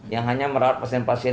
yang hanya merawat pasien pasien